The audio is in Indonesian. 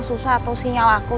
susah tuh sinyal aku